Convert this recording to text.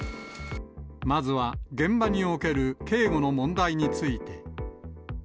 まずは、現場における警護の問題について。